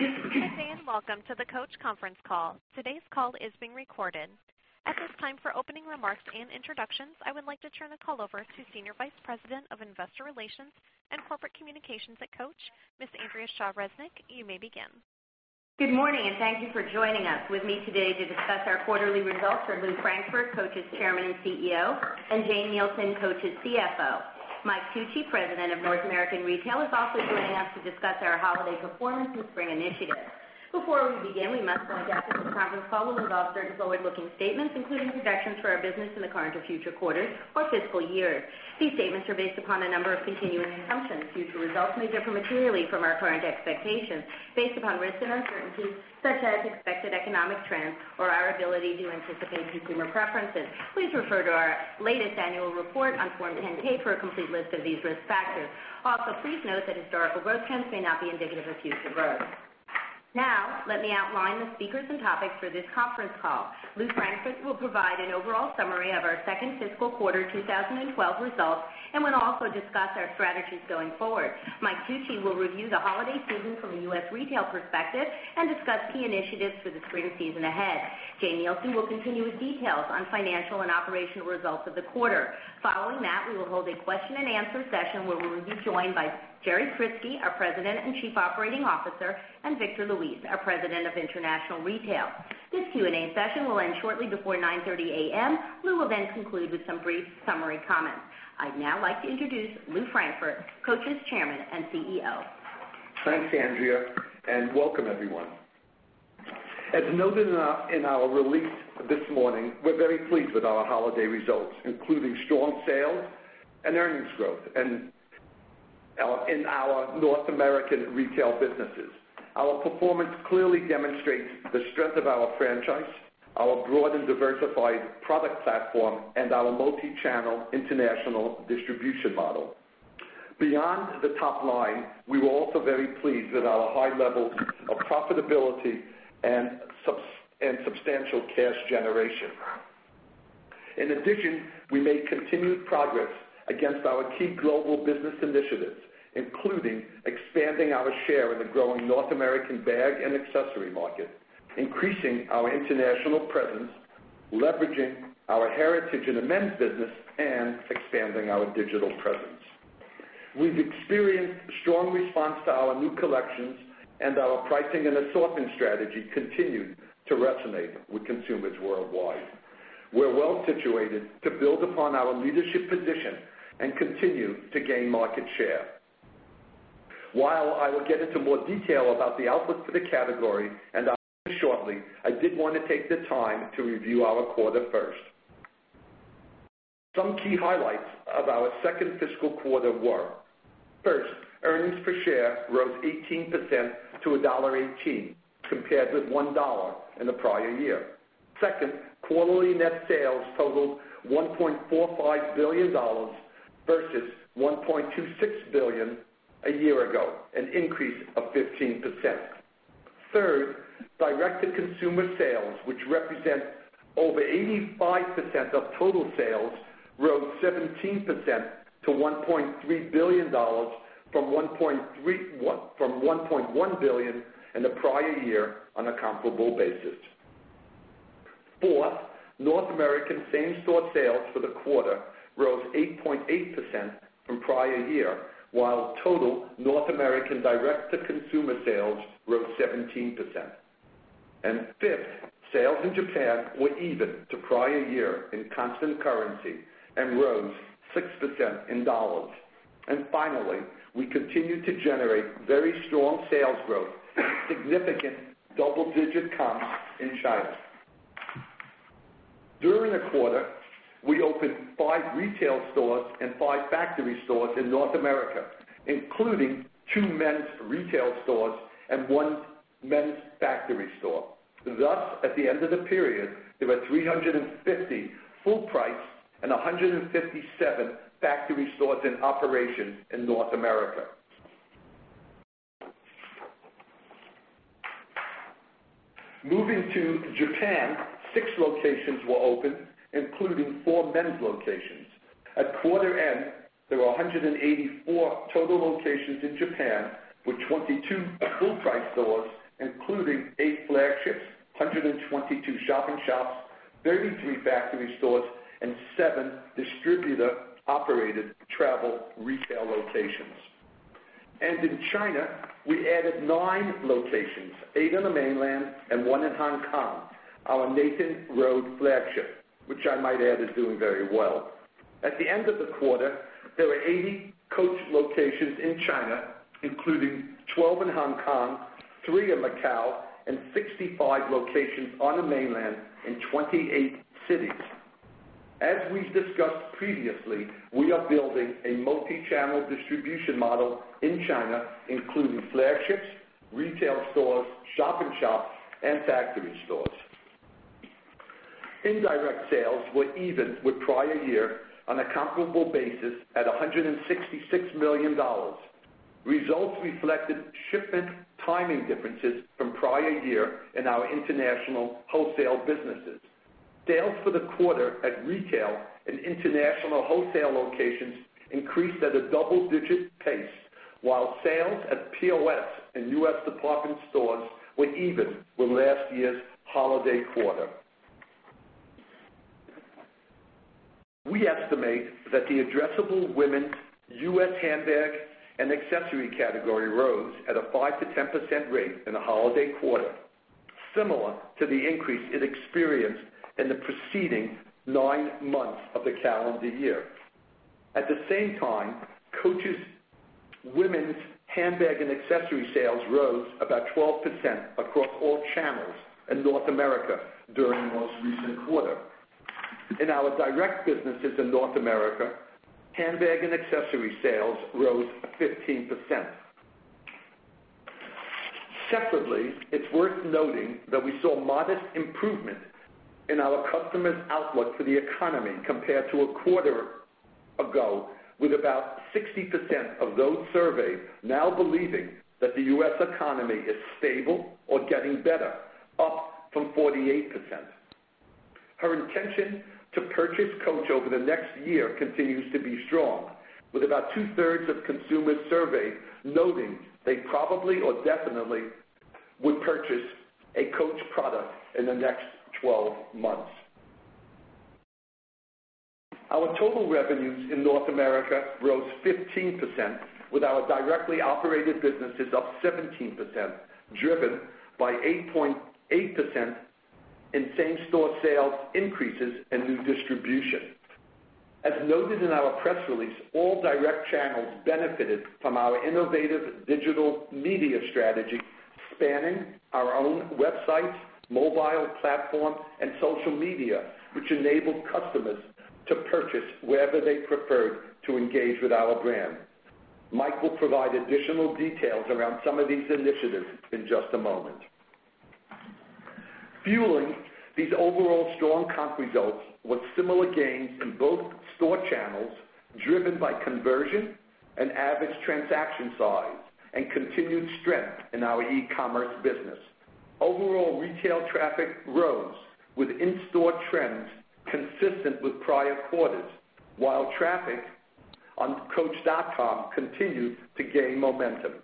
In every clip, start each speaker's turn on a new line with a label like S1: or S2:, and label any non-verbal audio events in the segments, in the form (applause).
S1: Good day and welcome to the Coach Conference Call. Today's call is being recorded. At this time, for opening remarks and introductions, I would like to turn the call over to Senior Vice President of Investor Relations and Corporate Communications at Coach, Ms. Andrea Resnick. You may begin.
S2: Good morning, and thank you for joining us. With me today to discuss our quarterly results are Lew Frankfort, Coach's Chairman and CEO, and Jane Nielsen, Coach's CFO. Mike Tucci, President of North American Retail, is also joining us to discuss our holiday performance and spring initiatives. Before we begin, we must point out that this conference call will involve certain forward-looking statements, including projections for our business in the current or future quarters or fiscal years. These statements are based upon a number of continuing assumptions. These results may differ materially from our current expectations based upon risks and uncertainties such as expected economic trends or our ability to anticipate consumer preferences. Please refer to our latest annual report on Form 10 to page for a complete list of these risk factors. Also, please note that historical growth trends may not be indicative of future growth. Now, let me outline the speakers and topics for this conference call. Lew Frankfort will provide an overall summary of our second fiscal quarter 2012 results and will also discuss our strategies going forward. Mike Tucci will review the holiday season from a U.S. retail perspective and discuss key initiatives for the spring season ahead. Jane Nielsen will continue with details on financial and operational results of the quarter. Following that, we will hold a question and answer session where we will be joined by Jerry Stritzke, our President and Chief Operating Officer, and Victor Luis, our President of International Retail. This Q&A session will end shortly before 9:30 A.M. Lew will then conclude with some brief summary comments. I'd now like to introduce Lew Frankfort, Coach's Chairman and CEO.
S3: Thanks, Andrea, and welcome, everyone. As noted in our release this morning, we're very pleased with our holiday results, including strong sales and earnings growth in our North American retail businesses. Our performance clearly demonstrates the strength of our franchise, our broad and diversified product platform, and our multi-channel international distribution model. Beyond the top line, we were also very pleased with our high levels of profitability and substantial cash generation. In addition, we made continued progress against our key global business initiatives, including expanding our share in the growing North American bag and accessory market, increasing our international presence, leveraging our heritage in the men's business, and expanding our digital presence. We've experienced a strong response to our new collections, and our pricing and assortment strategy continued to resonate with consumers worldwide. We're well situated to build upon our leadership position and continue to gain market share. While I will get into more detail about the outlook for the category shortly, I did want to take the time to review our quarter first. Some key highlights of our second fiscal quarter were: first, earnings per share rose 18% to $1.18 compared with $1.00 in the prior year. Second, quarterly net sales totaled $1.45 billion versus $1.26 billion a year ago, an increase of 15%. Third, direct-to-consumer sales, which represent over 85% of total sales, rose 17% to $1.3 billion from $1.1 billion in the prior year on a comparable basis. Fourth, North American same-store sales for the quarter rose 8.8% from prior year, while total North American direct-to-consumer sales rose 17%. Fifth, sales in Japan were even to prior year in constant currency and rose 6% in dollars. Finally, we continue to generate very strong sales growth, significant double-digit comps in China. During the quarter, we opened five retail stores and five factory stores in North America, including two men's retail stores and one men's factory store. At the end of the period, there were 350 full-price and 157 factory stores in operation in North America. Moving to Japan, six locations were open, including four men's locations. At the end, there were 184 total locations in Japan with 22 full-price stores, including eight flagships, 122 shop-in-shops, 33 factory stores, and seven distributor-operated travel retail locations. In China, we added nine locations, eight on the mainland and one in Hong Kong, our Nathan Road flagship, which I might add is doing very well. At the end of the quarter, there were 80 Coach locations in China, including 12 in Hong Kong, three in Macau, and 65 locations on the mainland in 28 cities. As we discussed previously, we are building a multi-channel international distribution model in China, including flagships, retail stores, shop-in-shops, and factory stores. Indirect sales were even with prior year on a comparable basis at $166 million. Results reflected shipment timing differences from prior year in our international wholesale businesses. Sales for the quarter at retail and international wholesale locations increased at a double-digit pace, while sales at POS and U.S. department stores were even with last year's holiday quarter. We estimate that the addressable women's U.S. handbag and accessory category rose at a 5%-10% rate in the holiday quarter, similar to the increase it experienced in the preceding nine months of the calendar year. At the same time, Coach's women's handbag and accessory sales rose about 12% across all channels in North America during the most recent quarter. In our direct businesses in North America, handbag and accessory sales rose 15%. Separately, it's worth noting that we saw modest improvement in our customers' outlook for the economy compared to a quarter ago, with about 60% of those surveyed now believing that the U.S. economy is stable or getting better, up from 48%. Her intention to purchase Coach over the next year continues to be strong, with about two-thirds of consumers surveyed noting they probably or definitely would purchase a Coach product in the next 12 months. Our total revenues in North America rose 15%, with our directly operated businesses up 17%, driven by 8.8% in same-store sales increases and new distribution. As noted in our press release, all direct channels benefited from our innovative digital media strategy, spanning our own websites, mobile platform, and social media, which enabled customers to purchase wherever they preferred to engage with our brand. Mike will provide additional details around some of these initiatives in just a moment. Fueling these overall strong comp results with similar gains in both store channels, driven by conversion and average transaction size, and continued strength in our e-commerce business, overall retail traffic rose with in-store trends consistent with prior quarters, while traffic on Coach.com continued to gain momentum.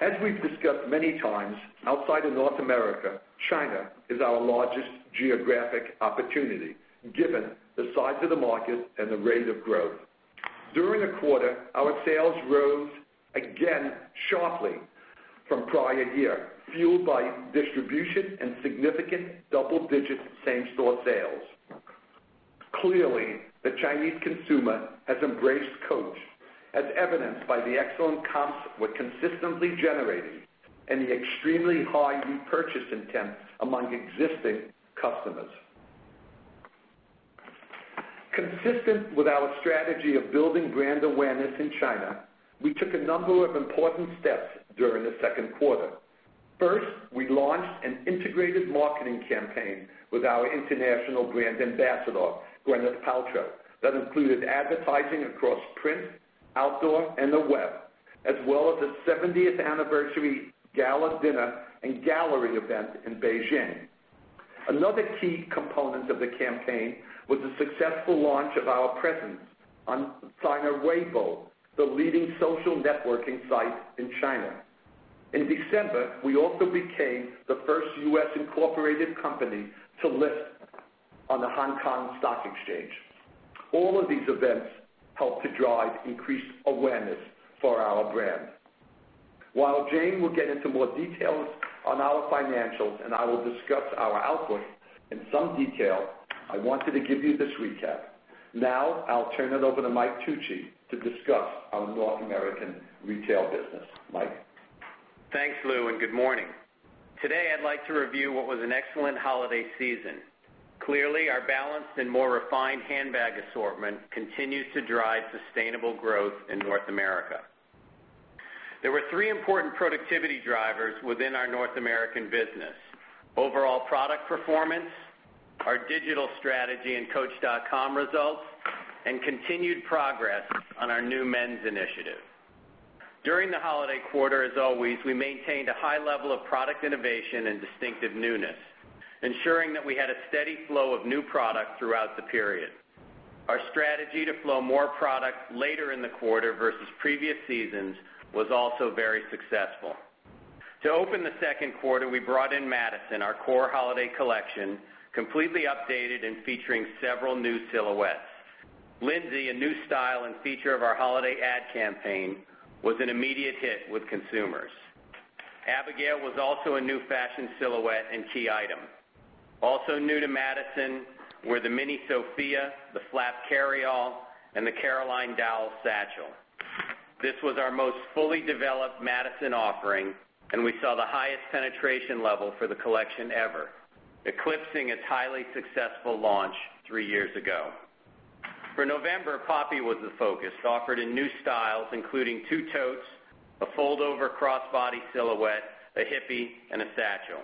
S3: As we've discussed many times, outside of North America, China is our largest geographic opportunity, given the size of the market and the rate of growth. During the quarter, our sales rose again sharply from prior year, fueled by distribution and significant double-digit same-store sales. Clearly, the Chinese consumer has embraced Coach, as evidenced by the excellent comps we're consistently generating and the extremely high new purchase intent among existing customers. Consistent with our strategy of building brand awareness in China, we took a number of important steps during the second quarter. First, we launched an integrated marketing campaign with our international brand ambassador, Gwyneth Paltrow, that included advertising across print, outdoor, and the web, as well as its 70th anniversary gala dinner and gallery event in Beijing. Another key component of the campaign was the successful launch of our presence on China Weibo, the leading social networking site in China. In December, we also became the first U.S. incorporated company to list on the Hong Kong Stock Exchange. All of these events helped to drive increased awareness for our brand. While Jane will get into more details on our financials and I will discuss our outlook in some detail, I wanted to give you this recap. Now, I'll turn it over to Mike Tucci to discuss our North American retail business.
S4: Thanks, Lew, and good morning. Today, I'd like to review what was an excellent holiday season. Clearly, our balanced and more refined handbag assortment continues to drive sustainable growth in North America. There were three important productivity drivers within our North American business: overall product performance, our digital strategy and Coach.com results, and continued progress on our new men's initiative. During the holiday quarter, as always, we maintained a high level of product innovation and distinctive newness, ensuring that we had a steady flow of new product throughout the period. Our strategy to flow more product later in the quarter versus previous seasons was also very successful. To open the second quarter, we brought in Madison, our core holiday collection, completely updated and featuring several new silhouettes. Lindsay, a new style and feature of our holiday ad campaign, was an immediate hit with consumers. Abigail was also a new fashion silhouette and key item. Also new to Madison were the mini Sophia, the flap carryall, and the Caroline Dowell satchel. This was our most fully developed Madison offering, and we saw the highest penetration level for the collection ever, eclipsing its highly successful launch three years ago. For November, Poppy was the focus, offered in new styles including two totes, a fold-over crossbody silhouette, a hippie, and a satchel.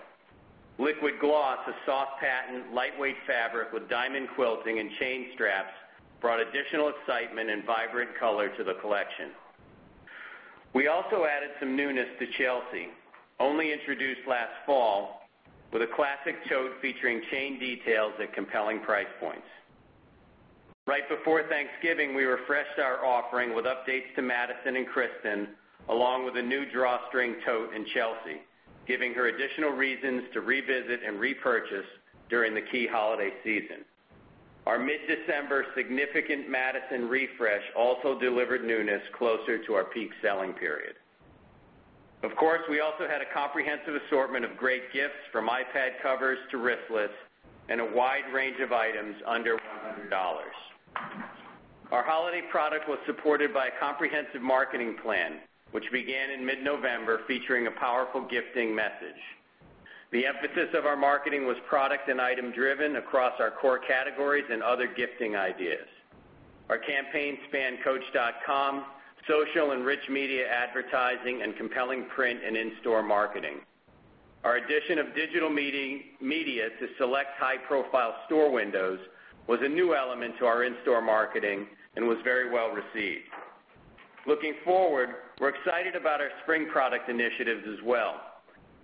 S4: Liquid Gloss, a soft pattern, lightweight fabric with diamond quilting and chain straps, brought additional excitement and vibrant color to the collection. We also added some newness to Chelsea, only introduced last fall, with a classic tote featuring chain details at compelling price points. Right before Thanksgiving, we refreshed our offering with updates to Madison and Kristin, along with a new drawstring tote in Chelsea, giving her additional reasons to revisit and repurchase during the key holiday season. Our mid-December significant Madison refresh also delivered newness closer to our peak selling period. Of course, we also had a comprehensive assortment of great gifts, from iPad covers to wristlets, and a wide range of items under $1. Our holiday product was supported by a comprehensive marketing plan, which began in mid-November, featuring a powerful gifting message. The emphasis of our marketing was product and item-driven across our core categories and other gifting ideas. Our campaign spanned Coach.com, social and rich media advertising, and compelling print and in-store marketing. Our addition of digital media to select high-profile store windows was a new element to our in-store marketing and was very well received. Looking forward, we're excited about our spring product initiatives as well.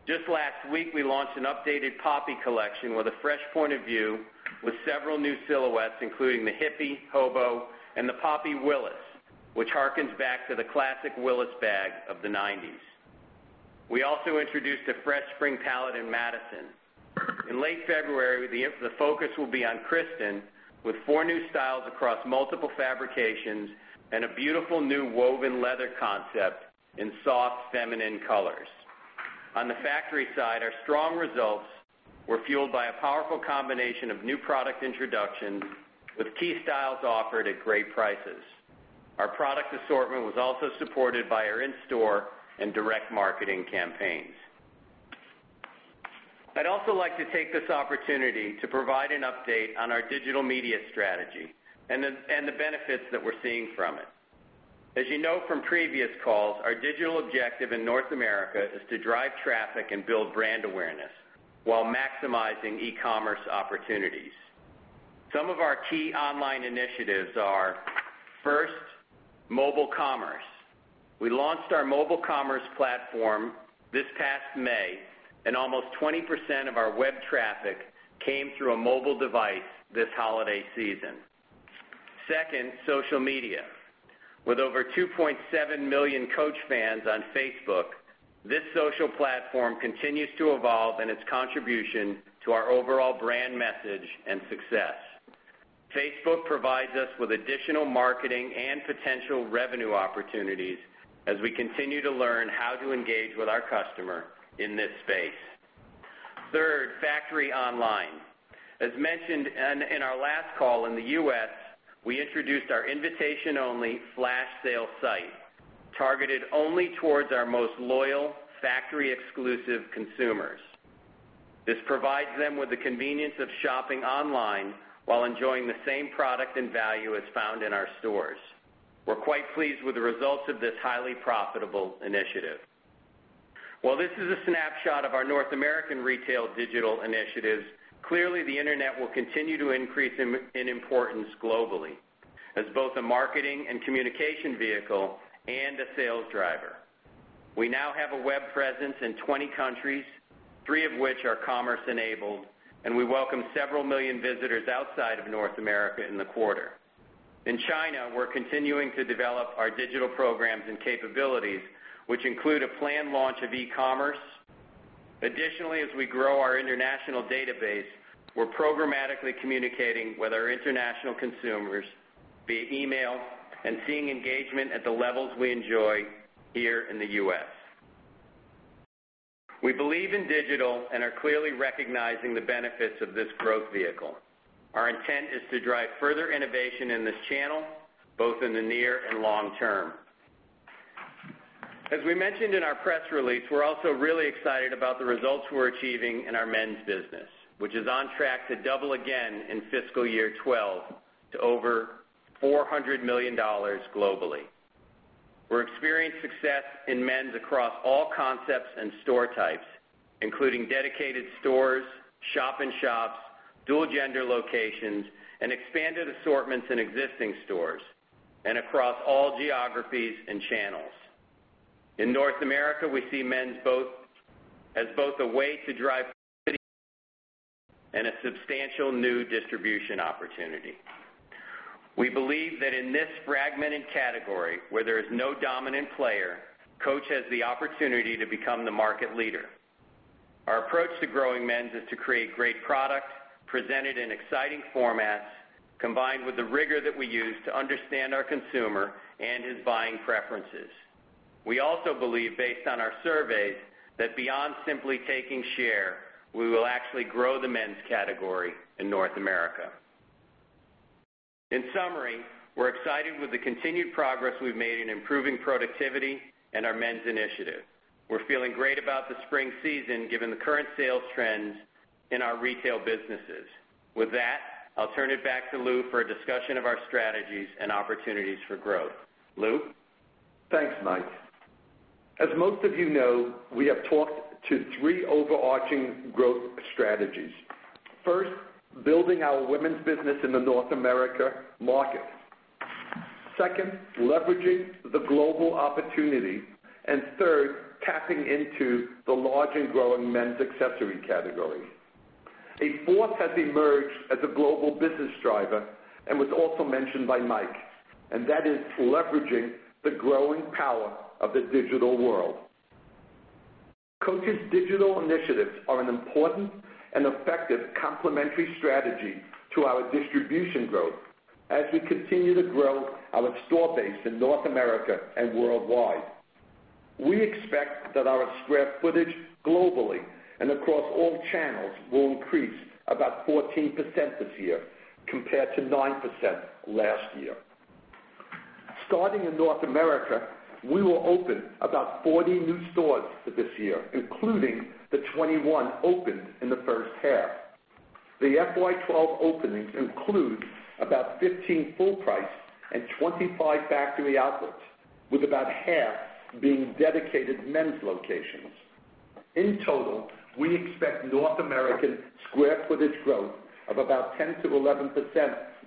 S4: Just last week, we launched an updated Poppy collection with a fresh point of view, with several new silhouettes, including the hippie, hobo, and the Poppy Willis, which harkens back to the classic Willis bags of the 1990s. We also introduced a fresh spring palette in Madison. In late February, the focus will be on Kristin, with four new styles across multiple fabrications and a beautiful new woven leather concept in soft, feminine colors. On the factory side, our strong results were fueled by a powerful combination of new product introductions, with key styles offered at great prices. Our product assortment was also supported by our in-store and direct marketing campaigns. I'd also like to take this opportunity to provide an update on our digital media strategy and the benefits that we're seeing from it. As you know from previous calls, our digital objective in North America is to drive traffic and build brand awareness while maximizing e-commerce opportunities. Some of our key online initiatives are: first, mobile commerce. We launched our mobile commerce platform this past May, and almost 20% of our web traffic came through a mobile device this holiday season. Second, social media. With over 2.7 million Coach fans on Facebook, this social platform continues to evolve in its contribution to our overall brand message and success. Facebook provides us with additional marketing and potential revenue opportunities as we continue to learn how to engage with our customer in this space. Third, factory online. As mentioned in our last call in the U.S., we introduced our invitation-only flash sale site, targeted only towards our most loyal, factory-exclusive consumers. This provides them with the convenience of shopping online while enjoying the same product and value as found in our stores. We're quite pleased with the results of this highly profitable initiative. This is a snapshot of our North American retail digital initiatives. Clearly, the internet will continue to increase in importance globally as both a marketing and communication vehicle and a sales driver. We now have a web presence in 20 countries, three of which are commerce-enabled, and we welcome several million visitors outside of North America in the quarter. In China, we're continuing to develop our digital programs and capabilities, which include a planned launch of e-commerce. Additionally, as we grow our international database, we're programmatically communicating with our international consumers via email and seeing engagement at the levels we enjoy here in the U.S. We believe in digital and are clearly recognizing the benefits of this growth vehicle. Our intent is to drive further innovation in this channel, both in the near and long term. As we mentioned in our press release, we're also really excited about the results we're achieving in our men's business, which is on track to double again in fiscal year 2012 to over $400 million globally. We're experiencing success in men's across all concepts and store types, including dedicated stores, shopping shops, dual-gender locations, and expanded assortments in existing stores and across all geographies and channels. In North America, we see men's both as a way to drive and a substantial new distribution opportunity. We believe that in this fragmented category, where there is no dominant player, Coach has the opportunity to become the market leader. Our approach to growing men's is to create great product, presented in exciting formats, combined with the rigor that we use to understand our consumer and his buying preferences. We also believe, based on our surveys, that beyond simply taking share, we will actually grow the men's category in North America. In summary, we're excited with the continued progress we've made in improving productivity and our men's initiative. We're feeling great about the spring season, given the current sales trends in our retail businesses. With that, I'll turn it back to Lew for a discussion of our strategies and opportunities for growth. Lew?
S3: Thanks, Mike. As most of you know, we have talked to three overarching growth strategies. First, building our women's business in the North America market. Second, leveraging the global opportunity. Third, tapping into the large and growing men's accessory category. A fourth has emerged as a global business driver and was also mentioned by Mike, and that is leveraging the growing power of the digital world. Coach's digital initiatives are an important and effective complementary strategy to our distribution growth as we continue to grow our store base in North America and worldwide. We expect that our square footage globally and across all channels will increase about 14% this year compared to 9% last year. Starting in North America, we will open about 40 new stores for this year, including the 21 opened in the first half. The FY 2012 openings include about 15 full price and 25 factory outlets, with about half being dedicated men's locations. In total, we expect North American square footage growth of about 10%-11%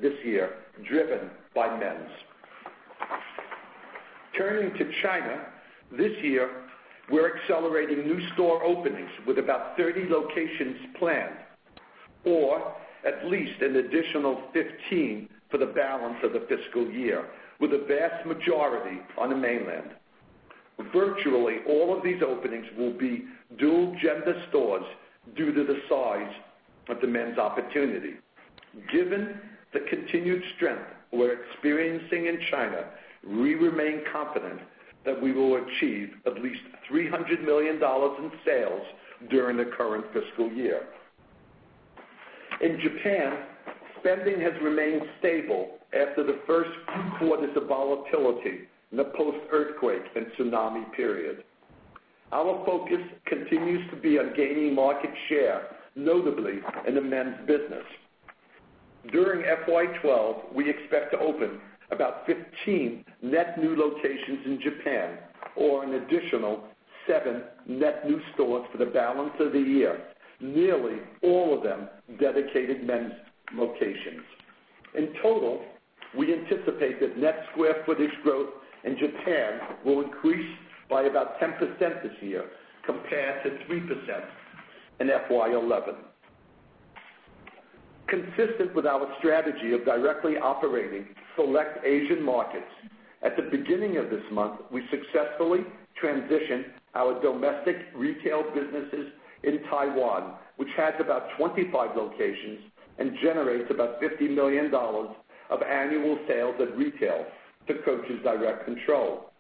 S3: this year, driven by men's. Turning to China, this year, we're accelerating new store openings with about 30 locations planned, or at least an additional 15 for the balance of the fiscal year, with a vast majority on the mainland. Virtually all of these openings will be dual-gender stores due to the size of the men's opportunity. Given the continued strength we're experiencing in China, we remain confident that we will achieve at least $300 million in sales during the current fiscal year. In Japan, spending has remained stable after the first two quarters of volatility in the post-earthquake and tsunami period. Our focus continues to be on gaining market share, notably in the men's business. During FY 2012, we expect to open about 15 net new locations in Japan or an additional seven net new stores for the balance of the year, nearly all of them dedicated men's locations. In total, we anticipate that net square footage growth in Japan will increase by about 10% this year, compared to 3% in FY 2011. Consistent with our strategy of directly operating select Asian markets, at the beginning of this month, we successfully transitioned our domestic retail businesses in Taiwan, which has about 25 locations and generates about $50 million of annual sales in retail to Coach in direct control.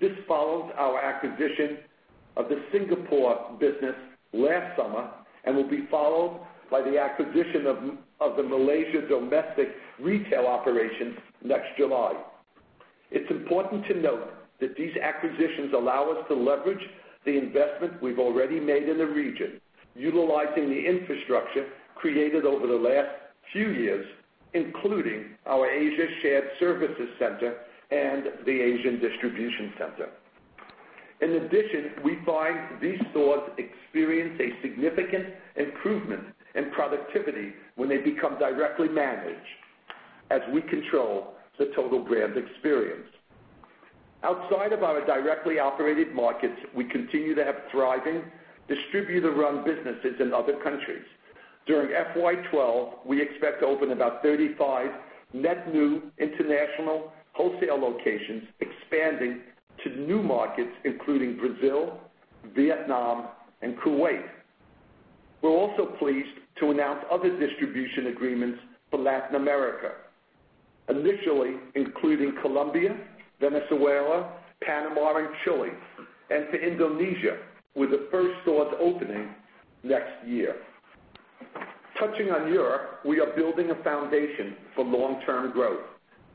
S3: This follows our acquisition of the Singapore business last summer and will be followed by the acquisition of the Malaysia domestic retail operations next July. It's important to note that these acquisitions allow us to leverage the investment we've already made in the region, utilizing the infrastructure created over the last few years, including our Asia shared services center and the Asian distribution center. In addition, we find these stores experience a significant improvement in productivity when they become directly managed, as we control the total brand experience. Outside of our directly operated markets, we continue to have thriving distributor-run businesses in other countries. During fiscal year 2012, we expect to open about 35 net new international wholesale locations, expanding to new markets, including Brazil, Vietnam, and Kuwait. We're also pleased to announce other distribution agreements for Latin America, initially including Colombia, Venezuela, Panama, and Chile, and to Indonesia, with the first stores opening next year. Touching on Europe, we are building a foundation for long-term growth.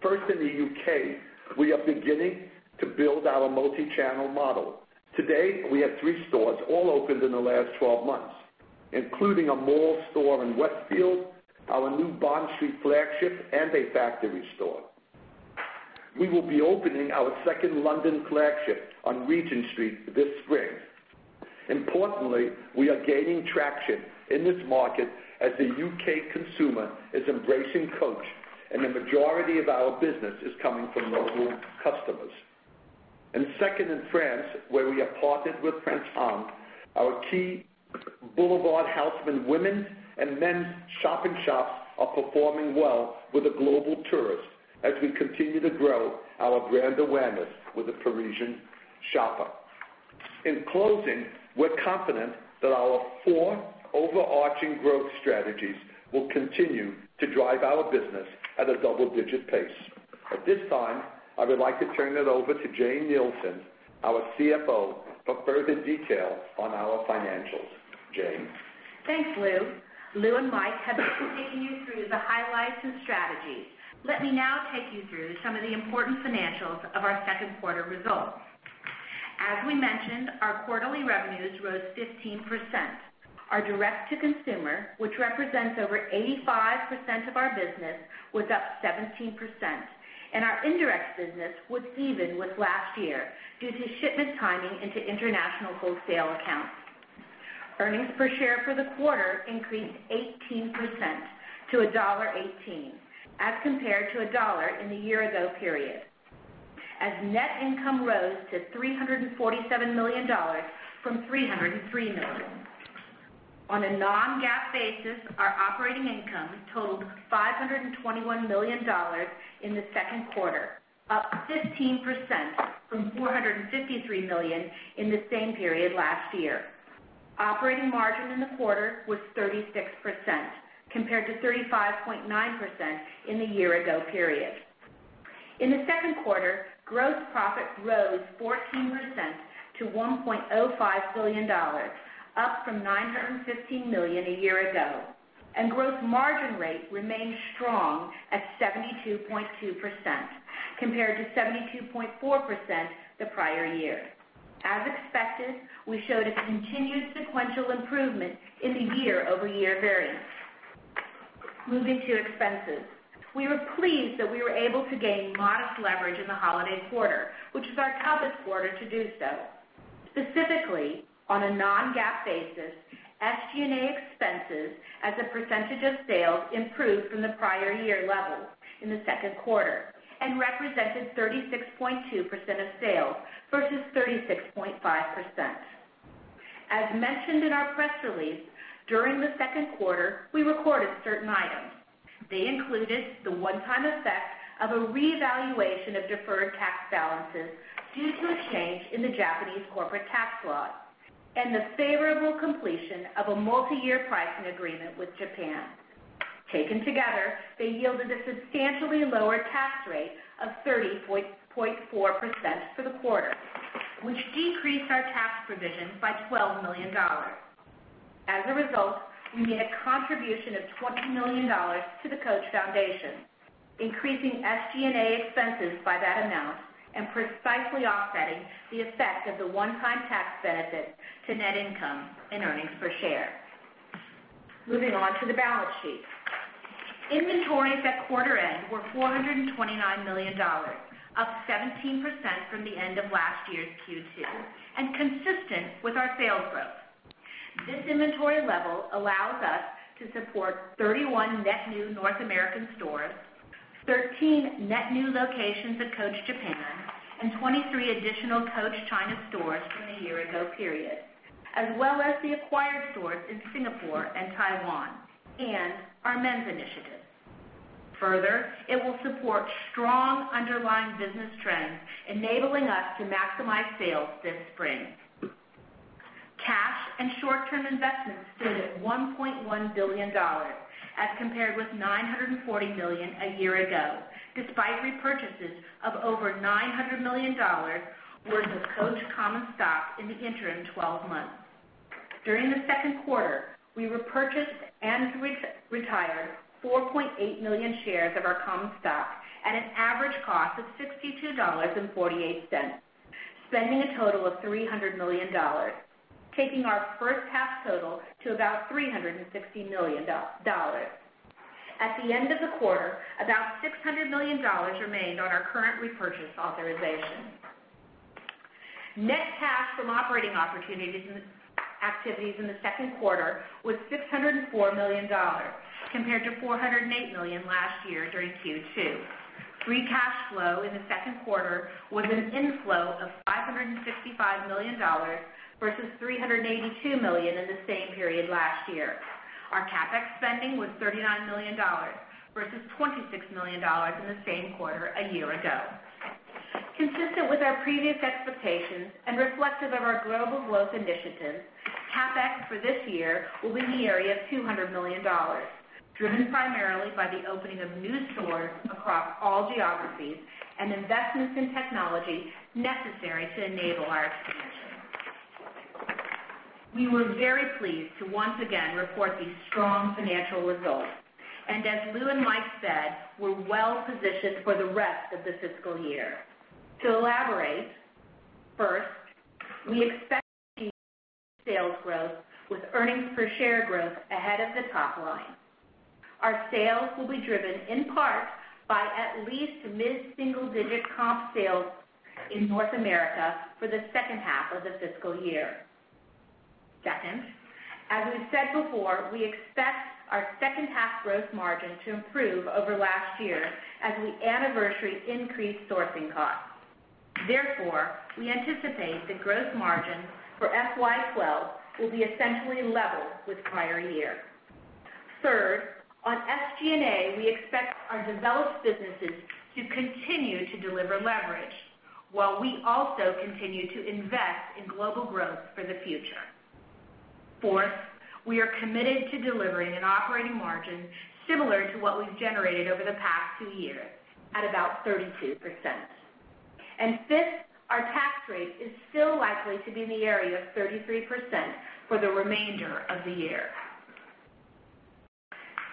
S3: First, in the U.K., we are beginning to build our multi-channel international distribution model. Today, we have three stores all opened in the last 12 months, including a mall store in Westfield, our new Bond Street flagships, and a factory store. We will be opening our second London flagship on Regent Street this spring. Importantly, we are gaining traction in this market as the U.K. consumer is embracing Coach, and the majority of our business is coming from local customers. Second, in France, where we are partnered with French Arms, our key Boulevard Haussmann women's and men's shopping shops are performing well with the global tourists, as we continue to grow our brand awareness with the Parisian shopper. In closing, we're confident that our four overarching growth strategies will continue to drive our business at a double-digit pace. At this time, I would like to turn it over to Jane Nielsen, our CFO, for further detail on our financials. Jane.
S5: Thanks, Lew. Lew and Mike have been taking you through the highlights and strategies. Let me now take you through some of the important financials of our second quarter results. As we mentioned, our quarterly revenues rose 15%. Our direct-to-consumer, which represents over 85% of our business, was up 17%, and our indirect business was even with last year due to shipment timing into international wholesale accounts. Earnings per share for the quarter increased 18% to $1.18, as compared to $1.00 in the year-ago period, as net income rose to $347 million from $303 million. On a non-GAAP basis, our operating income totaled $521 million in the second quarter, up 15% from $453 million in the same period last year. Operating margin in the quarter was 36%, compared to 35.9% in the year-ago period. In the second quarter, gross profit rose 14% to $1.05 billion, up from $915 million a year ago, and gross margin rate remained strong at 72.2%, compared to 72.4% the prior year. As expected, we showed a continued sequential improvement in the year-over-year variance. Moving to expenses, we were pleased that we were able to gain modest leverage in the holiday quarter, which was our toughest quarter to do so. Specifically, on a non-GAAP basis, FG&A expenses as a percentage of sales improved from the prior year levels in the second quarter and represented 36.2% of sales versus 36.5%. As mentioned in our press release, during the second quarter, we recorded certain items. They included the one-time effect of a reevaluation of deferred tax balances due to a change in the Japanese corporate tax laws and the favorable completion of a multi-year pricing agreement with Japan. Taken together, they yielded a substantially lower tax rate of 30.4% for the quarter, which decreased our tax provision by $12 million. As a result, we made a contribution of $20 million to the Coach Foundation, increasing FG&A expenses by that amount and precisely offsetting the effect of the one-time tax benefits to net income and earnings per share. Moving on to the balance sheet, inventories at quarter-end were $429 million, up 17% from the end of last year's Q2 and consistent with our sales growth. This inventory level allows us to support 31 net new North American stores, 13 net new locations at Coach Japan, and 23 additional Coach China stores from the year-ago period, as well as the acquired stores in Singapore and Taiwan and our men's initiative. Further, it will support strong underlying business trends, enabling us to maximize sales this spring. Cash and short-term investments stood at $1.1 billion, as compared with $940 million a year ago, despite repurchases of over $900 million worth of Coach common stock in the interim 12 months. During the second quarter, we repurchased and retired 4.8 million shares of our common stock at an average cost of $62.48, spending a total of $300 million, taking our first half's total to about $360 million. At the end of the quarter, about $600 million remained on our current repurchase authorization. Net cash from operating opportunities and activities in the second quarter was $604 million, compared to $408 million last year during Q2. Free cash flow in the second quarter was an inflow of $565 million versus $382 million in the same period last year. Our CapEx spending was $39 million versus $26 million in the same quarter a year ago. Consistent with our previous expectations and reflective of our global growth initiative, CapEx for this year will be in the area of $200 million, driven primarily by the opening of new stores across all geographies and investments in technology necessary to enable our expansion. We were very pleased to once again report these strong financial results. As Lew and Mike said, we're well positioned for the rest of the fiscal year. To elaborate, first, we expect to see sales growth with earnings per share growth ahead of the top line. Our sales will be driven in part by at least mid-single-digit comp sales in North America for the second half of the fiscal year. Second, as we've said before, we expect our second half gross margin to improve over last year as we anniversary increase sourcing costs. Therefore, we anticipate the gross margin for FY 2012 will be essentially level with prior year. Third, on FG&A, we expect our developed businesses to continue to deliver leverage while we also continue to invest in global growth for the future. Fourth, we are committed to delivering an operating margin similar to what we've generated over the past two years at about 32%. Fifth, our tax rate is still likely to be in the area of 33% for the remainder of the year.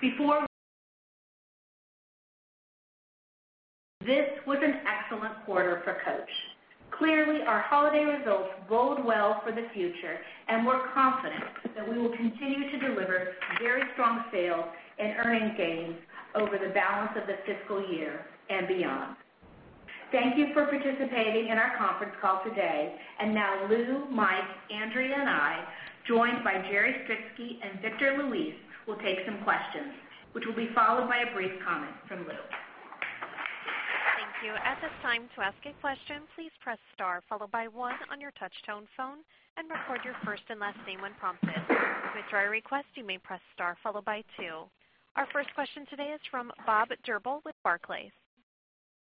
S5: This was an excellent quarter for Coach. Clearly, our holiday results bode well for the future, and we're confident that we will continue to deliver very strong sales and earning gains over the balance of the fiscal year and beyond. Thank you for participating in our conference call today. Lew, Mike, Andrea, and I, joined by Jerry Stritzke and Victor Luis, will take some questions, which will be followed by a brief comment from Lew.
S1: Thank you. At this time, to ask a question, please press star followed by one on your touch-tone phone and record your first and last name when prompted. If it's your request, you may press star followed by two. Our first question today is from Bob Drbul with Barclays.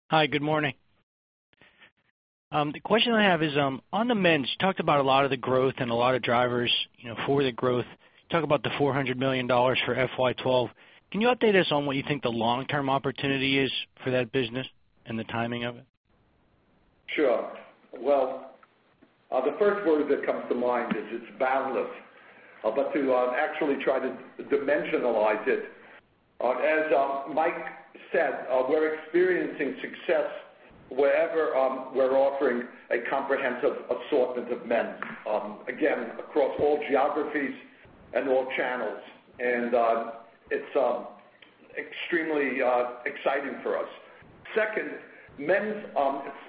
S6: Hi, good morning. The question I have is, on the men's, you talked about a lot of the growth and a lot of drivers for the growth. You talked about the $400 million for FY 2012. Can you update us on what you think the long-term opportunity is for that business and the timing of it?
S3: Sure. The first word that comes to mind is it's boundless. To actually try to dimensionalize it, as Mike said, we're experiencing success wherever we're offering a comprehensive assortment of men's, again, across all geographies and all channels. It's extremely exciting for us. Second, men's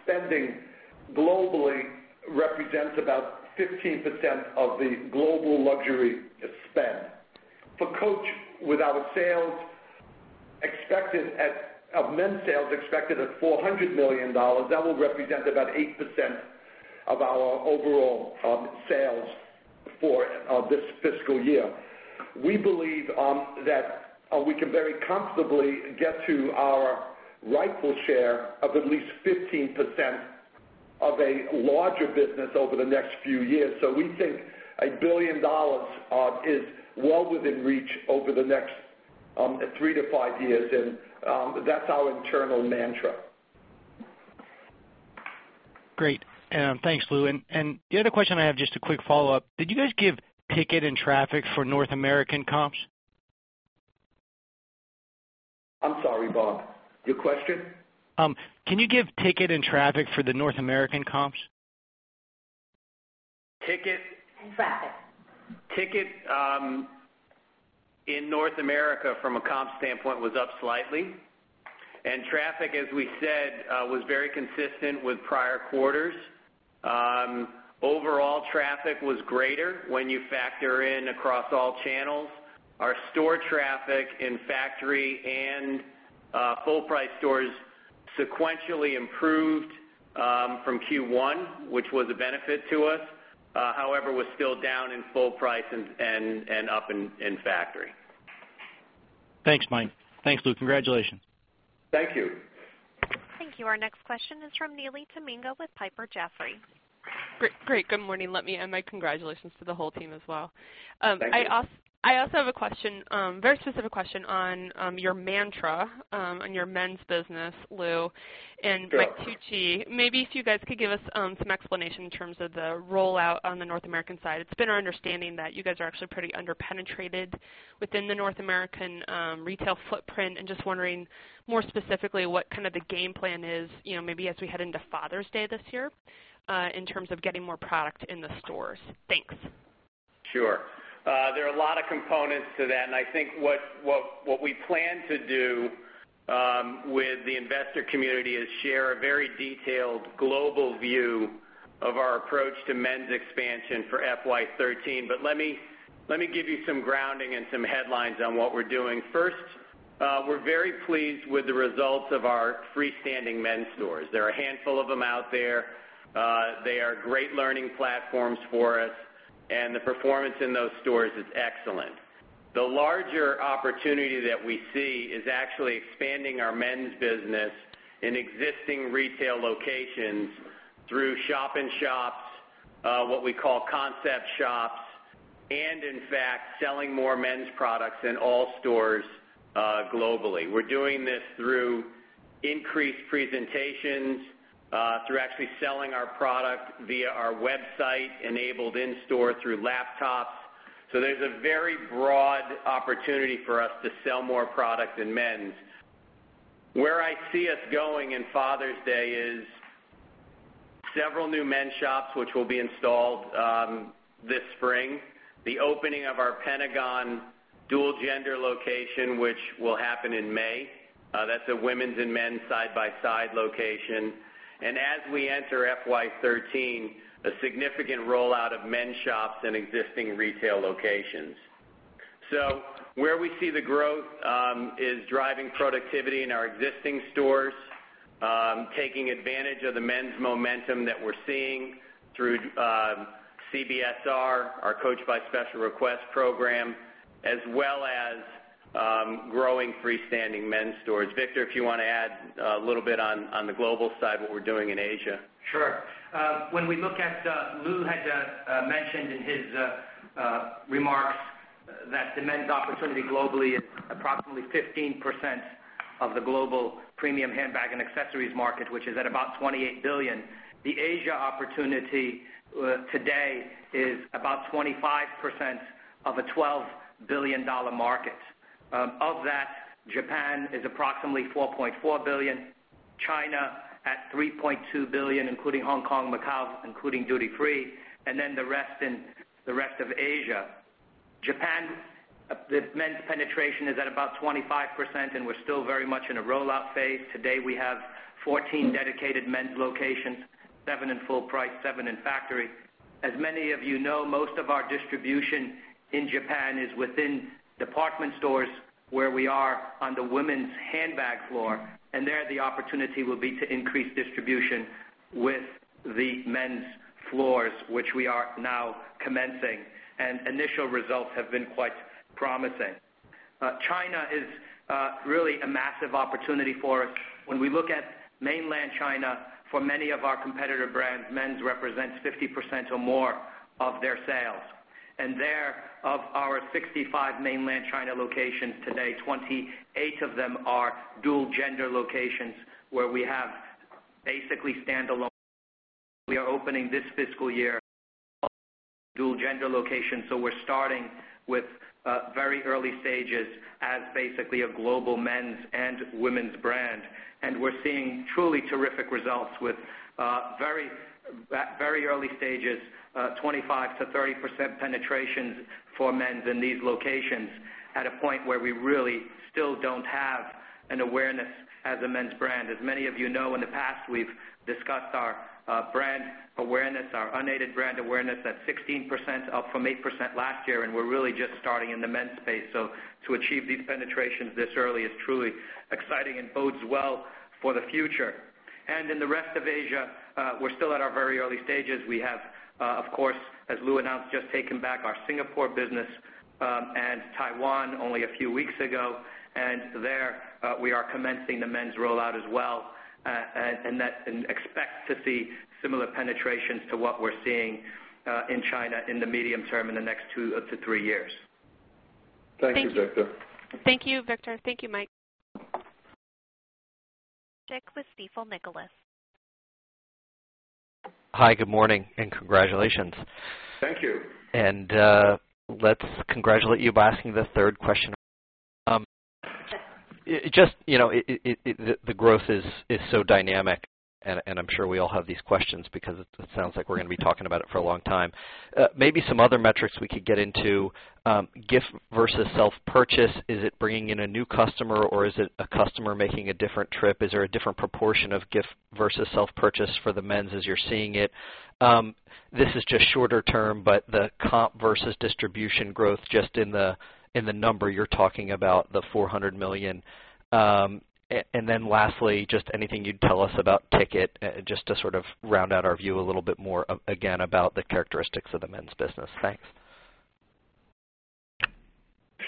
S3: spending globally represents about 15% of the global luxury spend. For Coach, with our sales expected at men's sales expected at $400 million, that will represent about 8% of our overall sales for this fiscal year. We believe that we can very comfortably get to our rightful share of at least 15% of a larger business over the next few years. We think $1 billion is well within reach over the next 3-5 years, and that's our internal mantra.
S6: Great. Thanks, Lew. The other question I have, just a quick follow-up. Did you guys give ticket and traffic for North American comps?
S3: I'm sorry, Bob. Your question?
S6: Can you give ticket and traffic for the North American comps?
S4: Ticket in North America, from a comp standpoint, was up slightly. Traffic, as we said, was very consistent with prior quarters. Overall, traffic was greater when you factor in across all channels. Our store traffic in factory and full-price stores sequentially improved from Q1, which was a benefit to us. However, it was still down in full price and up in factory.
S6: Thanks, Mike. Thanks, Lew. Congratulations.
S3: Thank you.
S1: Thank you. Our next question is from Neely Tamminga with Piper Jaffray.
S7: Great. Good morning. Let me add my congratulations to the whole team as well. I also have a question, a very specific question on your mantra on your men's business, Lew and Mike Tucci. Maybe if you guys could give us some explanation in terms of the rollout on the North American side. It's been our understanding that you guys are actually pretty underpenetrated within the North American retail footprint. I am just wondering more specifically what kind of the game plan is, you know, maybe as we head into Father's Day this year, in terms of getting more product in the stores. Thanks.
S4: Sure. There are a lot of components to that. I think what we plan to do with the investor community is share a very detailed global view of our approach to men's expansion for FY 2013. Let me give you some grounding and some headlines on what we're doing. First, we're very pleased with the results of our freestanding men's stores. There are a handful of them out there. They are great learning platforms for us, and the performance in those stores is excellent. The larger opportunity that we see is actually expanding our men's business in existing retail locations through shop-in-shops, what we call concept shops, and in fact, selling more men's products in all stores globally. We're doing this through increased presentations, through actually selling our product via our website enabled in-store through laptops. There is a very broad opportunity for us to sell more product in men's. Where I see us going in Father's Day is several new men's shops, which will be installed this spring, the opening of our Pentagon dual-gender location, which will happen in May. That's a women's and men's side-by-side location. As we enter FY 2013, a significant rollout of men's shops in existing retail locations. Where we see the growth is driving productivity in our existing stores, taking advantage of the men's momentum that we're seeing through CBSR, our Coach by Special Requests program, as well as growing freestanding men's stores. Victor, if you want to add a little bit on the global side, what we're doing in Asia.
S8: Sure. When we look at Lew had mentioned in his remarks that the men's opportunity globally is approximately 15% of the global premium handbag and accessories market, which is at about $28 billion. The Asia opportunity today is about 25% of a $12 billion market. Of that, Japan is approximately $4.4 billion, China at $3.2 billion, including Hong Kong, Macau, including Duty Free, and then the rest in the rest of Asia. Japan, the men's penetration is at about 25%, and we're still very much in a rollout phase. Today, we have 14 dedicated men's locations, seven in full price, seven in factory. As many of you know, most of our distribution in Japan is within department stores where we are on the women's handbag floor. There, the opportunity will be to increase distribution with the men's floors, which we are now commencing. Initial results have been quite promising. China is really a massive opportunity for us. When we look at mainland China, for many of our competitor brands, men's represents 50% or more of their sales. There, of our 65 mainland China locations today, 28 of them are dual-gender locations where we have basically standalone. We are opening this fiscal year dual-gender locations. We're starting with very early stages as basically a global men's and women's brand. We're seeing truly terrific results with very early stages, 25%-30% penetrations for men's in these locations, at a point where we really still don't have an awareness as a men's brand. As many of you know, in the past, we've discussed our brand awareness, our unaided brand awareness at 16%, up from 8% last year. We're really just starting in the men's space. To achieve these penetrations this early is truly exciting and bodes well for the future. In the rest of Asia, we're still at our very early stages. We have, of course, as Lew announced, just taken back our Singapore business and Taiwan only a few weeks ago. There, we are commencing the men's rollout as well and expect to see similar penetrations to what we're seeing in China in the medium term in the next 2-3 years.
S3: Thank you, Victor.
S7: Thank you, Victor. Thank you, Mike.
S1: (audio distortion) with Stefel Nicolaus. Hi, good morning, and congratulations. Let's congratulate you by asking the third question. The growth is so dynamic, and I'm sure we all have these questions because it sounds like we are going to be talking about it for a long time. Maybe some other metrics we could get into. Gift versus self-purchase, is it bringing in a new customer, or is it a customer making a different trip? Is there a different proportion of gift versus self-purchase for the men's as you're seeing it? This is just shorter term, but the comp versus distribution growth just in the number you're talking about, the $400 million. Lastly, anything you'd tell us about ticket, just to sort of round out our view a little bit more, again, about the characteristics of the men's business. Thanks.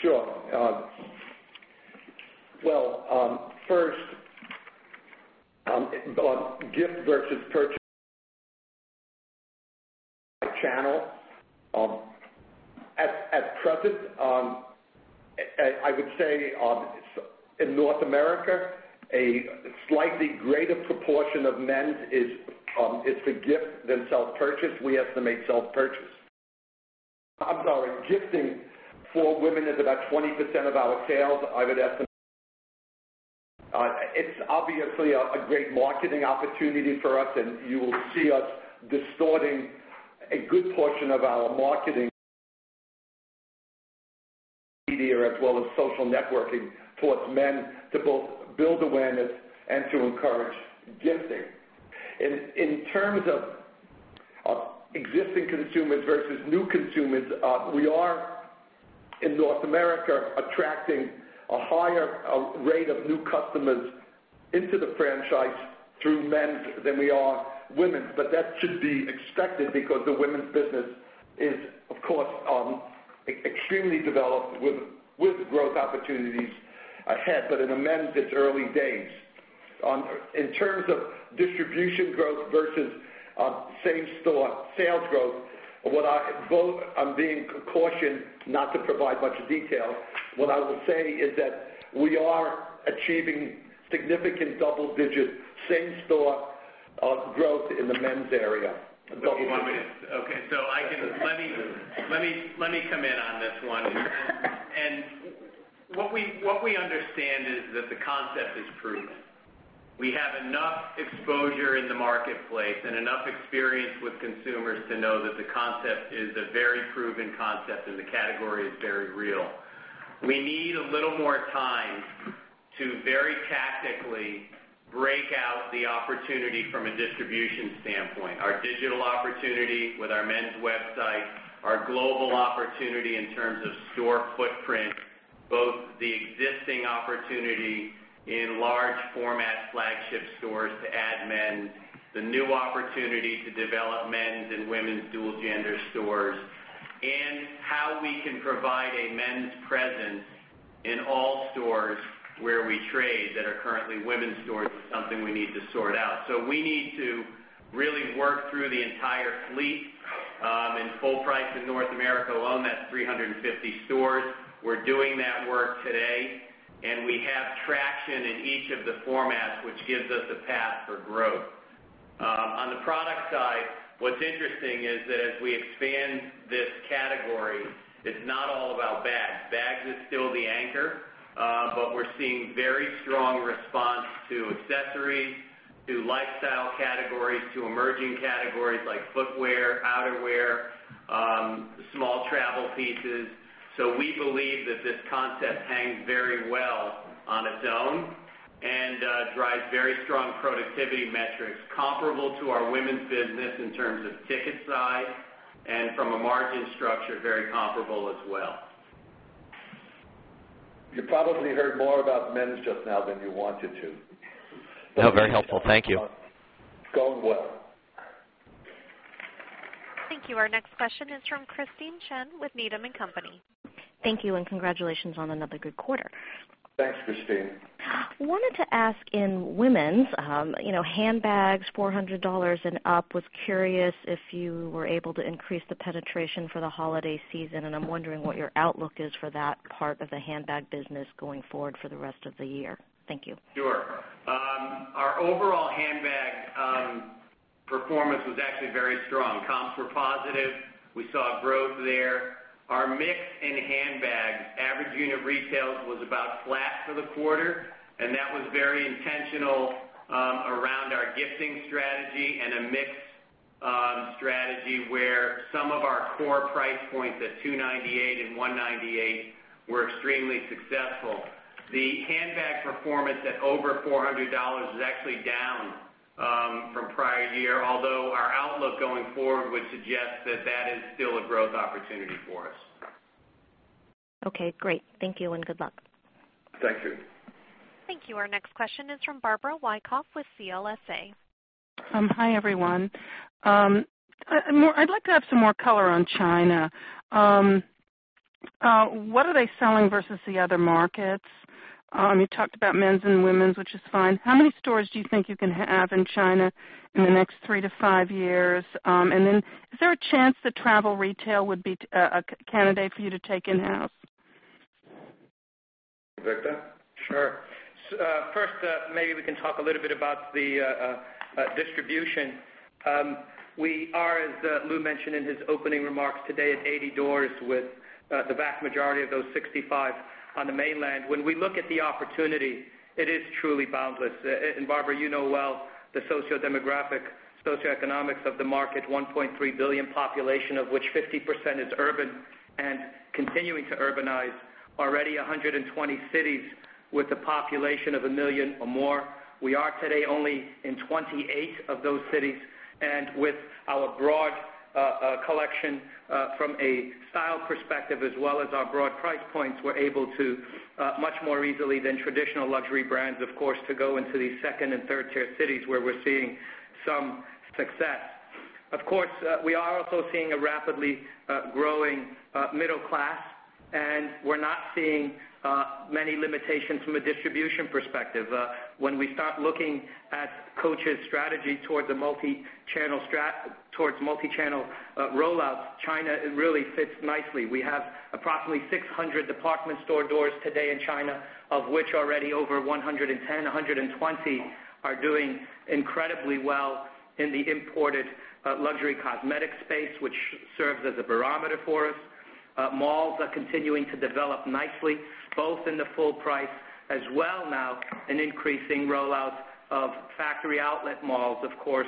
S3: Sure. First, gift versus purchase channel. At present, I would say in North America, a slightly greater proportion of men's is for gift than self-purchase. We estimate self-purchase. I'm sorry, gifting for women is about 20% of our sales. It's obviously a great marketing opportunity for us, and you will see us distorting a good portion of our marketing media as well as social networking towards men to both build awareness and to encourage gifting. In terms of existing consumers versus new consumers, we are, in North America, attracting a higher rate of new customers into the franchise through men's than we are women's. That should be expected because the women's business is, of course, extremely developed with growth opportunities ahead. In the men's, it's early days. In terms of distribution growth versus same-store sales growth, I am being cautioned not to provide much detail. What I would say is that we are achieving significant double-digit same-store growth in the men's area.
S4: One minute. Okay. I can, let me come in on this one. What we understand is that the concept is proven. We have enough exposure in the marketplace and enough experience with consumers to know that the concept is a very proven concept, and the category is very real. We need a little more time to very tactically break out the opportunity from a distribution standpoint, our digital opportunity with our men's website, our global opportunity in terms of store footprint, both the existing opportunity in large-format flagship stores to add men, the new opportunity to develop men's and women's dual-gender stores, and how we can provide a men's presence in all stores where we trade that are currently women's stores. It's something we need to sort out. We need to really work through the entire fleet. In full price in North America, we own that 350 stores. We're doing that work today, and we have traction in each of the formats, which gives us a path for growth. On the product side, what's interesting is that as we expand this category, it's not all about bags. Bags are still the anchor, but we're seeing very strong response to accessories, to lifestyle categories, to emerging categories like footwear, outerwear, small travel pieces. We believe that this concept hangs very well on its own and drives very strong productivity metrics, comparable to our women's business in terms of ticket size and from a margin structure, very comparable as well.
S3: You probably heard more about men's just now than you wanted to. No, very helpful. Thank you. Going well.
S1: Thank you. Our next question is from Christine Chan with Needham & Company.
S9: Thank you, and congratulations on another good quarter.
S3: Thanks, Christine.
S9: I wanted to ask in women's, you know, handbags, $400 and up. Was curious if you were able to increase the penetration for the holiday season, and I'm wondering what your outlook is for that part of the handbag business going forward for the rest of the year. Thank you.
S4: Sure. Our overall handbag performance was actually very strong. Comps were positive. We saw growth there. Our mix in handbags, average unit retail was about flat for the quarter, and that was very intentional around our gifting strategy and a mix strategy where some of our core price points at $298 and $198 were extremely successful. The handbag performance at over $400 is actually down from prior year, although our outlook going forward would suggest that that is still a growth opportunity for us.
S9: Okay, great. Thank you and good luck.
S3: Thank you.
S1: Thank you. Our next question is from Barbara Wyckoff with CLSA.
S10: Hi, everyone. I'd like to have some more color on China. What are they selling versus the other markets? You talked about men's and women's, which is fine. How many stores do you think you can have in China in the next three to five years? Is there a chance that travel retail would be a candidate for you to take in-house?
S3: Victor?
S8: Sure. First, maybe we can talk a little bit about the distribution. We are, as Lew mentioned in his opening remarks, today at 80 doors with the vast majority of those 65 on the mainland. When we look at the opportunity, it is truly boundless. Barbara, you know well the sociodemographic, socioeconomics of the market, 1.3 billion population, of which 50% is urban and continuing to urbanize. Already 120 cities with a population of a million or more. We are today only in 28 of those cities. With our broad collection from a style perspective, as well as our broad price points, we're able to much more easily than traditional luxury brands, of course, to go into these second and third-tier cities where we're seeing some success. We are also seeing a rapidly growing middle class, and we're not seeing many limitations from a distribution perspective. When we start looking at Coach's strategy towards the multi-channel rollout, China really fits nicely. We have approximately 600 department store doors today in China, of which already over 110, 120 are doing incredibly well in the imported luxury cosmetics space, which serves as a barometer for us. Malls are continuing to develop nicely, both in the full price as well now, and increasing rollouts of factory outlet malls, of course,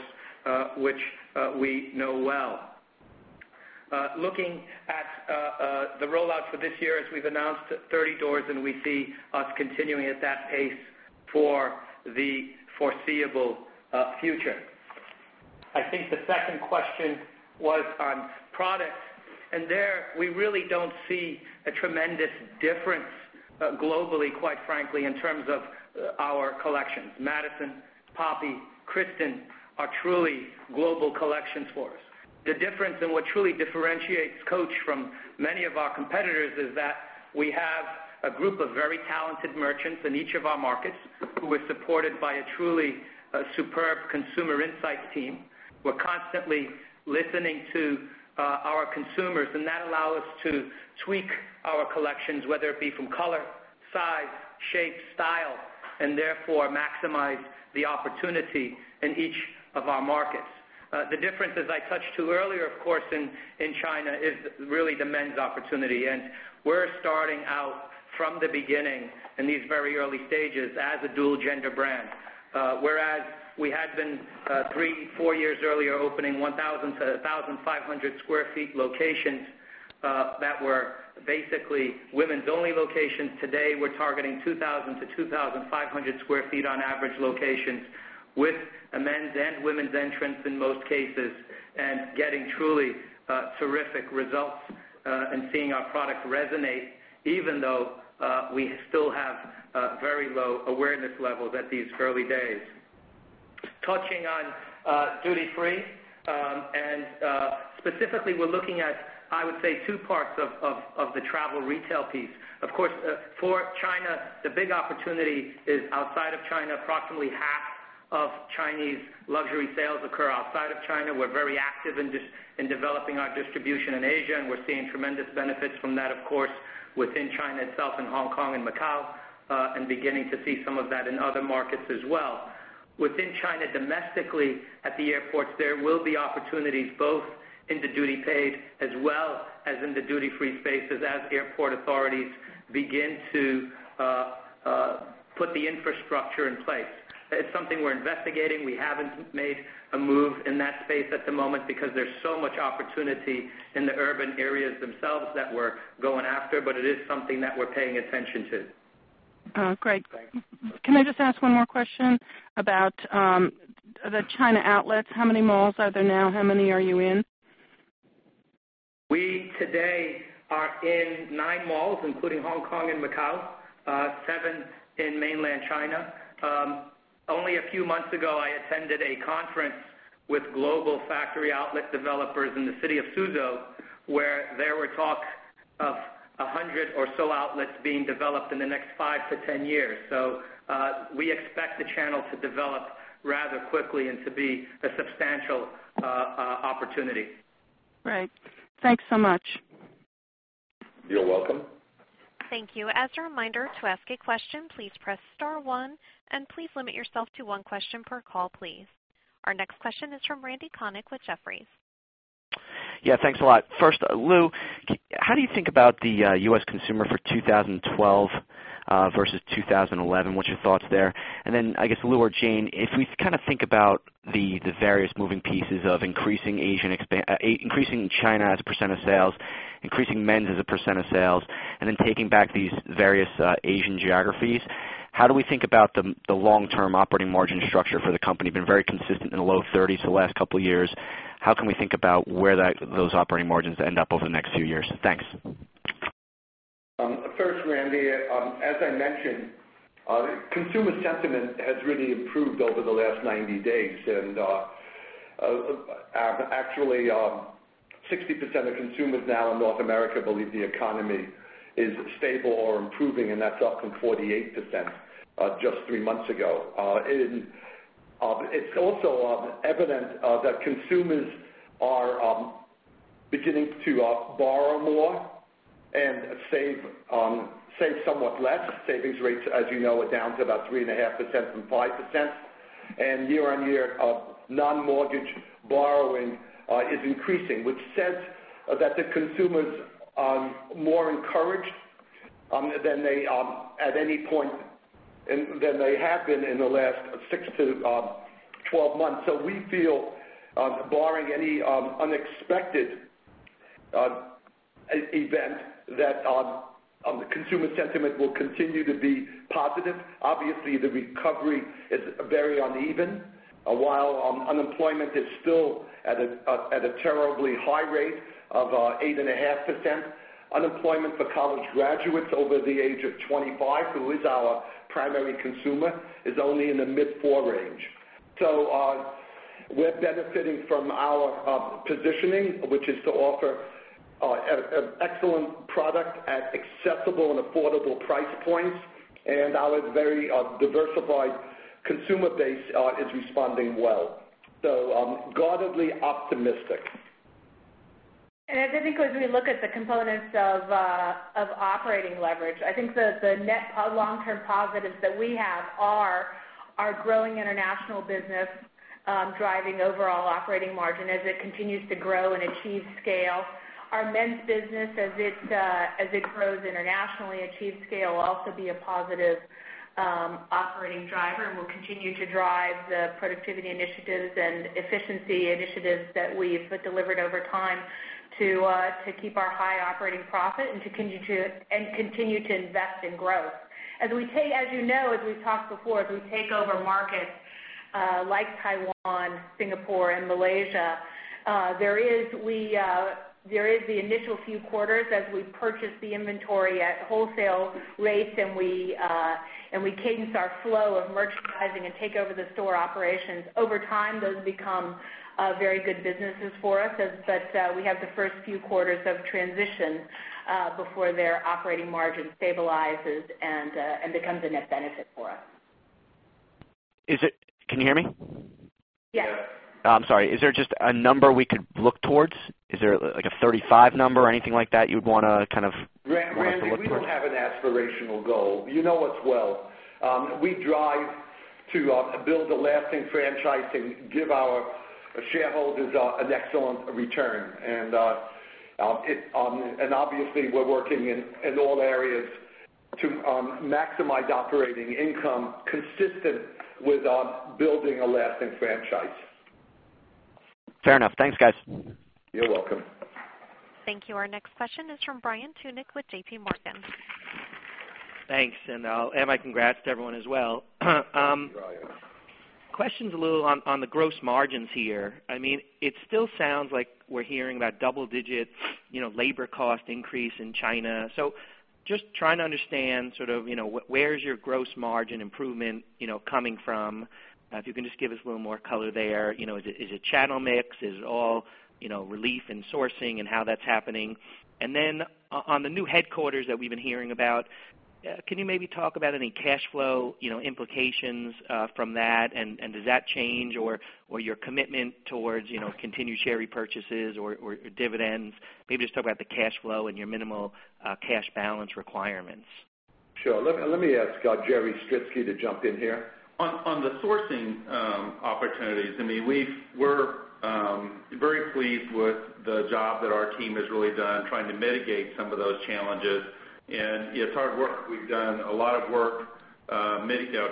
S8: which we know well. Looking at the rollout for this year, as we've announced, 30 doors, and we see us continuing at that pace for the foreseeable future. I think the second question was on products. There, we really don't see a tremendous difference globally, quite frankly, in terms of our collections. Madison, Poppy, Kristen are truly global collections for us. The difference in what truly differentiates Coach from many of our competitors is that we have a group of very talented merchants in each of our markets who are supported by a truly superb consumer insight team. We're constantly listening to our consumers, and that allows us to tweak our collections, whether it be from color, size, shape, style, and therefore maximize the opportunity in each of our markets. The difference, as I touched to earlier, in China is really the men's opportunity. We're starting out from the beginning in these very early stages as a dual-gender brand. Whereas we had been three, four years earlier opening 1,000-1,500 sq ft locations that were basically women's-only locations, today we're targeting 2,000-2,500 sq ft on average locations with a men's and women's entrance in most cases and getting truly terrific results and seeing our product resonate, even though we still have a very low awareness level at these early days. Touching on Duty Free, specifically, we're looking at, I would say, two parts of the travel retail piece. Of course, for China, the big opportunity is outside of China. Approximately half of Chinese luxury sales occur outside of China. We're very active in developing our distribution in Asia, and we're seeing tremendous benefits from that, of course, within China itself in Hong Kong and Macau, and beginning to see some of that in other markets as well. Within China, domestically, at the airports, there will be opportunities both in the duty paid as well as in the Duty Free spaces as airport authorities begin to put the infrastructure in place. It's something we're investigating. We haven't made a move in that space at the moment because there's so much opportunity in the urban areas themselves that we're going after, but it is something that we're paying attention to.
S10: Great. Can I just ask one more question about the China outlets? How many malls are there now? How many are you in?
S8: We today are in nine malls, including Hong Kong and Macau, seven in mainland China. Only a few months ago, I attended a conference with global factory outlet developers in the city of Suzhou, where there were talks of 100 or so outlets being developed in the next 5-10 years. We expect the channel to develop rather quickly and to be a substantial opportunity.
S10: Great, thanks so much.
S8: You're welcome.
S1: Thank you. As a reminder, to ask a question, please press star one, and please limit yourself to one question per call. Our next question is from Randal Konik with Jefferies.
S11: Yeah, thanks a lot. First, Lew, how do you think about the U.S. consumer for 2012 versus 2011? What's your thoughts there? I guess, Lew or Jane, if we kind of think about the various moving pieces of increasing China as a percent of sales, increasing men's as a percent of sales, and then taking back these various Asian geographies, how do we think about the long-term operating margin structure for the company? We've been very consistent in the low 30% for the last couple of years. Hoyw can we think about where those operating margins end up over the next few years? Thanks.
S3: First, Randal, as I mentioned, consumer sentiment has really improved over the last 90 days. Actually, 60% of consumers now in North America believe the economy is stable or improving, and that's up from 48% just three months ago. It's also evident that consumers are beginning to borrow more and save somewhat less. Savings rates, as you know, are down to about 3.5% from 5%. Year-on-year, non-mortgage borrowing is increasing, which says that the consumers are more encouraged than they at any point than they have been in the last 6-12 months. We feel, barring any unexpected event, that consumer sentiment will continue to be positive. Obviously, the recovery is very uneven. While unemployment is still at a terribly high rate of 8.5%, unemployment for college graduates over the age of 25, who is our primary consumer, is only in the mid-4% range. We're benefiting from our positioning, which is to offer an excellent product at accessible and affordable price points. Our very diversified consumer base is responding well. Guardedly optimistic.
S5: I think as we look at the components of operating leverage, the net long-term positives that we have are our growing international business driving overall operating margin as it continues to grow and achieve scale. Our men's business, as it grows internationally and achieves scale, will also be a positive operating driver and will continue to drive the productivity initiatives and efficiency initiatives that we've delivered over time to keep our high operating profit and to continue to invest in growth. As we've talked before, as we take over markets like Taiwan, Singapore, and Malaysia, there is the initial few quarters as we purchase the inventory at wholesale rates and we cadence our flow of merchandising and take over the store operations. Over time, those become very good businesses for us, but we have the first few quarters of transition before their operating margin stabilizes and becomes a net benefit for us.
S11: Can you hear me?
S5: Yes.
S11: Is there just a number we could look towards? Is there like a 35 number or anything like that you would want us to look towards?
S3: We have an aspirational goal. You know us well. We drive to build a lasting franchise and give our shareholders an excellent return. Obviously, we're working in all areas to maximize operating income consistent with building a lasting franchise.
S11: Fair enough. Thanks, guys.
S3: You're welcome.
S1: Thank you. Our next question is from Brian Tunick with JPMorgan.
S12: Thanks. I'll add my congrats to everyone as well. Questions a little on the gross margins here. It still sounds like we're hearing that double-digit labor cost increase in China. Just trying to understand sort of where is your gross margin improvement coming from? If you can just give us a little more color there. Is it channel mix? Is it all relief in sourcing and how that's happening? On the new headquarters that we've been hearing about, can you maybe talk about any cash flow implications from that? Does that change your commitment towards continued share repurchases or dividends? Maybe just talk about the cash flow and your minimal cash balance requirements.
S3: Sure. Let me ask Jerry Stritzke to jump in here. On the sourcing opportunities, we're very pleased with the job that our team has really done trying to mitigate some of those challenges. It's hard work. We've done a lot of work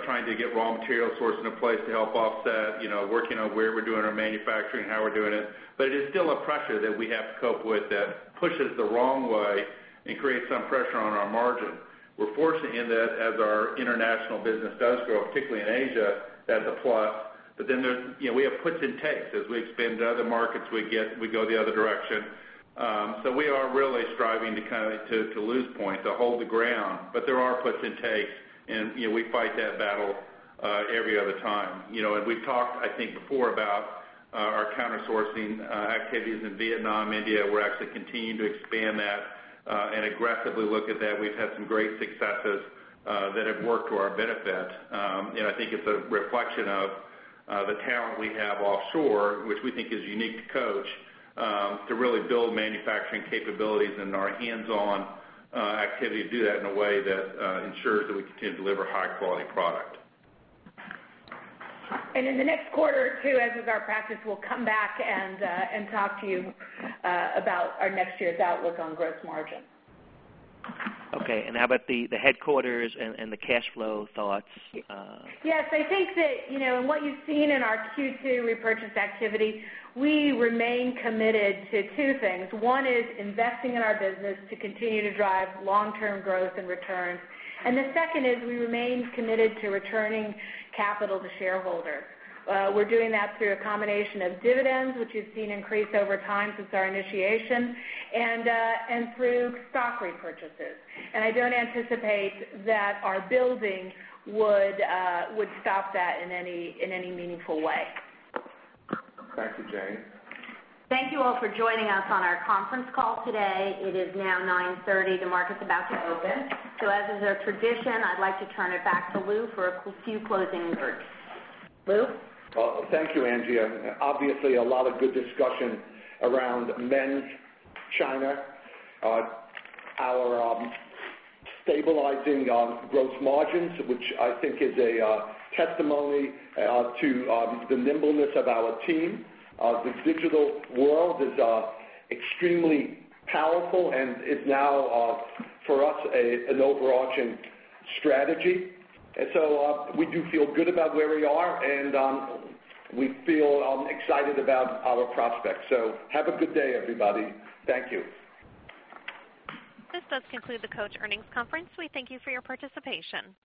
S3: trying to get raw material sourced into place to help offset, you know, working on where we're doing our manufacturing, how we're doing it. It is still a pressure that we have to cope with that pushes the wrong way and creates some pressure on our margin. We're fortunate in that as our international business does grow, particularly in Asia, that's a plus. We have puts and takes. As we expand to other markets, we go the other direction. We are really striving to kind of lose points, to hold the ground. There are puts and takes, and we fight that battle every other time. We've talked, I think, before about our countersourcing activities in Vietnam, India. We're actually continuing to expand that and aggressively look at that. We've had some great successes that have worked to our benefit. I think it's a reflection of the talent we have offshore, which we think is unique to Coach, to really build manufacturing capabilities and our hands-on activity to do that in a way that ensures that we continue to deliver a high-quality product.
S5: In the next quarter or two, as with our practice, we'll come back and talk to you about our next year's outlook on gross margin.
S12: Okay. How about the headquarters and the cash flow thoughts?
S5: Yes. I think that, you know, in what you've seen in our Q2 repurchase activity, we remain committed to two things. One is investing in our business to continue to drive long-term growth and return. The second is we remain committed to returning capital to shareholders. We're doing that through a combination of dividends, which you've seen increase over time since our initiation, and through stock repurchases. I don't anticipate that our building would stop that in any meaningful way.
S3: Thank you, Jane.
S2: Thank you all for joining us on our conference call today. It is now 9:30 A.M. The market's about to move in. As is our tradition, I'd like to turn it back to Lew for a few closing words. Lew?
S3: Thank you, Andrea. Obviously, a lot of good discussion around men's, China, our stabilizing gross margins, which I think is a testimony to the nimbleness of our team. The digital world is extremely powerful, and it's now, for us, an overarching strategy. We do feel good about where we are, and we feel excited about our prospects. Have a good day, everybody. Thank you.
S1: This does conclude the Coach Earnings Conference. We thank you for your participation.